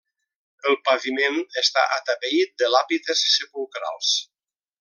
El paviment està atapeït de làpides sepulcrals.